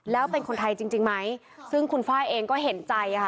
แล้วเป็นคนไทยจริงจริงไหมซึ่งคุณฟ้ายเองก็เห็นใจค่ะ